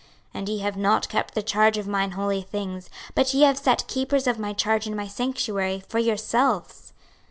26:044:008 And ye have not kept the charge of mine holy things: but ye have set keepers of my charge in my sanctuary for yourselves.